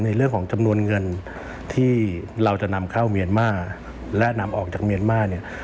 เรื่องของจำนวนเงินที่เราจะนำเข้าเมียนมาและนำออกจากเมียนมาร์เนี่ย